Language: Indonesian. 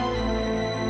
aku mau pergi